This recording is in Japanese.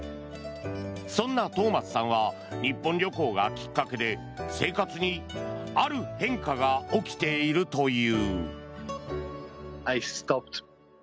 そんなトーマスさんは日本旅行がきっかけで生活にある変化が起きているという。